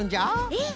えっ？